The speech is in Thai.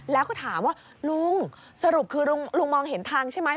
แล้วก็ถามว่าลุงสรุปคือลุงมองเห็นทางใช่ไหม